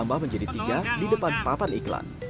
tambah menjadi tiga di depan papan iklan